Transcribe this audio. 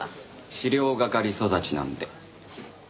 資料係育ちなんで。